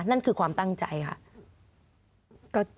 นั่นคือความตั้งใจค่ะ